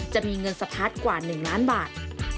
จะมีเงินสะพัดกว่า๑ล้านบาท